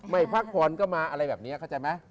พักผ่อนก็มาอะไรแบบนี้เข้าใจไหม